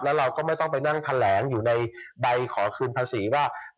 แล้วเราก็ไม่ต้องไปนั่งแถลงอยู่ในใบขอคืนภาษีว่า